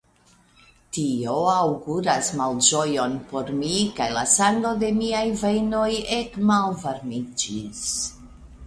Tio aŭguras malĝojon por mi kaj la sango de miaj vejnoj ekmalvarmiĝis.